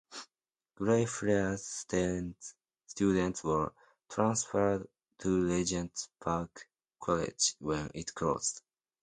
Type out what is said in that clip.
Greyfriars' students were transferred to Regent's Park College when it closed.